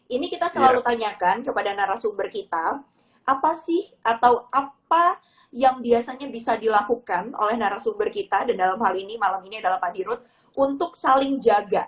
ini kita selalu tanyakan kepada narasumber kita apa sih atau apa yang biasanya bisa dilakukan oleh narasumber kita dan dalam hal ini malam ini adalah pak dirut untuk saling jaga